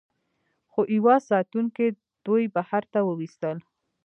خو یوه ساتونکي دوی بهر ته وویستل